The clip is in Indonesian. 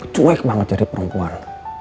cewek banget jadi perempuan